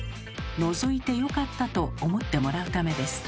のぞいてよかったと思ってもらうためです。